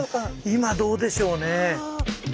今どうでしょうね？